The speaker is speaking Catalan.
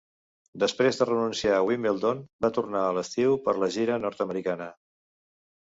Després de renunciar a Wimbledon, va tornar a l'estiu per la gira nord-americana.